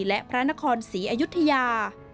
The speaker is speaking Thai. และพระนครศรีอยุธยา